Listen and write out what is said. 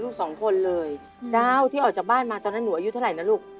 ลูกสองคนเลยดาวที่ออกจากบ้านมาตอนนั้นหนูอายุเท่าไหร่นะลูก